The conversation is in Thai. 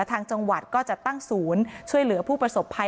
ทางจังหวัดก็จะตั้งศูนย์ช่วยเหลือผู้ประสบภัย